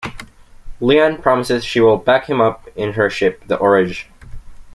Leann promises she will back him up in her ship, the "Orage".